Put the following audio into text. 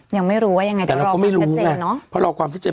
ยังไม่รู้ว่ายังไงแต่เราก็ไม่รู้แหละเพราะรอความเศรษฐ์เจ็บ